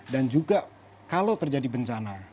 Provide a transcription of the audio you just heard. dan juga kalau terjadi bencana